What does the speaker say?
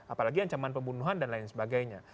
apalagi ancaman pembunuhan dan lain sebagainya